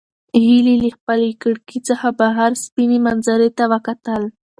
هیلې له خپلې کړکۍ څخه بهر سپینې منظرې ته وکتل.